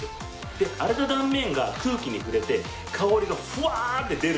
で荒れた断面が空気に触れて香りがフワーッて出るんですね。